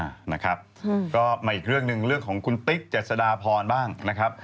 นะครับก็มาอีกเรื่องหนึ่งเรื่องของคุณติ๊กเจษฎาพรบ้างนะครับ